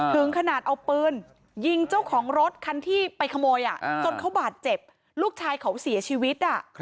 ถึงขนาดเอาปืนยิงเจ้าของรถคันที่ไปขโมยจนเขาบาดเจ็บลูกชายเขาเสียชีวิต